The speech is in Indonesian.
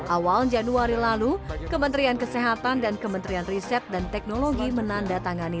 awal januari lalu kementerian kesehatan dan kementerian riset dan teknologi menandatangani